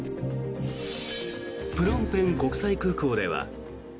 プノンペン国際空港では。